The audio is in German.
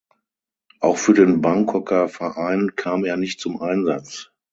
Auch für den Bangkoker Verein kam er nicht zum Einsatz.